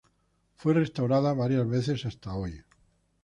Fue restaurada varias veces hasta hoy.